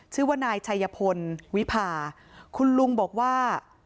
ชื่อว่านายชัยพลวิพาคุณลุงบอกว่า